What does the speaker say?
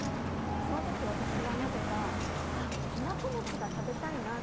その時、私はなぜかきな粉餅が食べたいな。